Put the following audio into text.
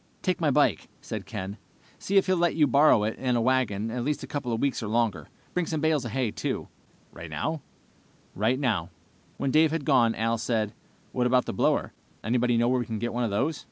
"Take my bike," said Ken. "See if he'll let you borrow it and a wagon for at least a couple of weeks or longer. Bring some bales of hay, too." "Right now?" "Right now." When Dave had gone, Al said, "What about the blower? Anybody know where we can get one of those?"